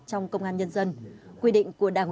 trong công an nhân dân quy định của đảng